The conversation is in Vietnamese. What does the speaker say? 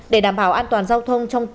để đảm bảo an toàn giao thông